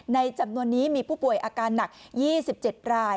จำนวนนี้มีผู้ป่วยอาการหนัก๒๗ราย